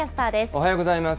おはようございます。